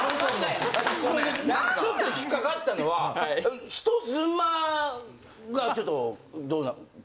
ちょっと引っかかったのは人妻がちょっとどうなの。